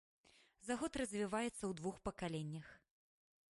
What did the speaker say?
За год развіваецца ў двух пакаленнях.